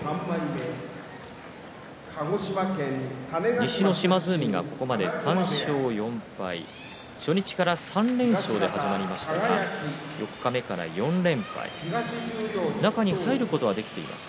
西の島津海がここまで３勝４敗初日から３連勝で始まりましたが四日目から４連敗中に入ることはできています。